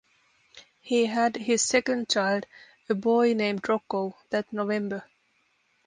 He had his second child, a boy named Rocco, that November.